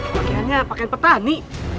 bagiannya pakaian petani